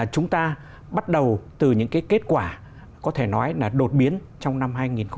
chúng ta bắt đầu từ những kết quả có thể nói là đột biến trong năm hai nghìn một mươi tám